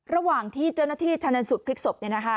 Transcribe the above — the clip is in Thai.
ระหว่างที่เจ้าหน้าที่ชนะสูตรพลิกศพ